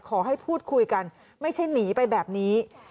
ขอให้พูดคุยกันไม่ใช่หนีไปแบบนี้